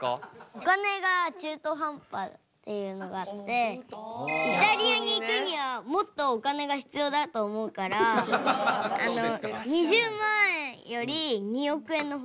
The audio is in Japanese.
お金が中途半端っていうのがあってイタリアに行くにはもっとお金が必要だと思うから２０万円より２億円の方がいい。